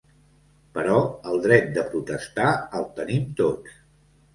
Però el dret de protestar el tenim tots.